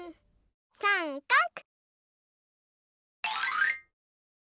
さんかく！